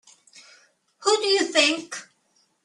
Who do you think?